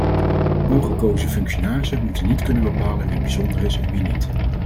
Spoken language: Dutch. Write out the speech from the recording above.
Ongekozen functionarissen moeten niet kunnen bepalen wie bijzonder is en wie niet.